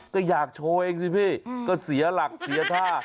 ก็อยากโชว์เองสิพี่ก็เสียหลักเสียท่า